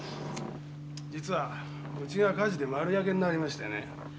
実は家が火事で丸焼けになりましてね。